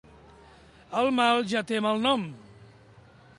El mal ja té mal nom.